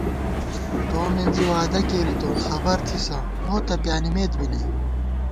تو مِنزی وعدہ کېرِیتون ، خبر تھِسہ ، مو تہ پیانِمېت بی نئ